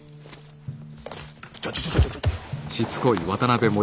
ちょちょちょちょ。